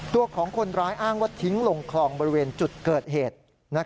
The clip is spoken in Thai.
ตัวของคนร้ายอ้างว่าทิ้งลงคลองบริเวณจุดเกิดเหตุ